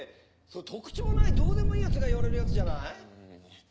それ特徴ないどうでもいい奴が言われるやつじゃない？